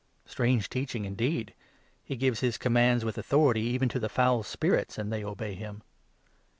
Strange teaching indeed ! He gives his commands with authority even to the foul spirits, and they obey him